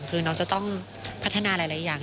คือน้องจะต้องพัฒนาหลายอย่าง